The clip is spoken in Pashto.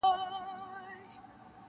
ښاخ پر ښاخ باندي پټېږي کور یې ورک دی-